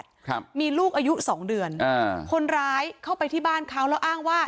ครับมีลูกอายุสองเดือนอ่าคนร้ายเข้าไปที่บ้านเขาแล้วอ้างว่า